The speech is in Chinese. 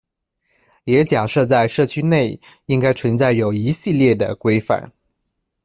也假设在社区内应该存在有一系列的规范。